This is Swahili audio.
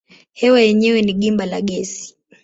Hewa yenyewe ni gimba la gesi.